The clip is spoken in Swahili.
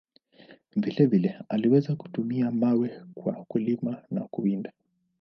Vile vile, aliweza kutumia mawe kwa kulima na kuwinda.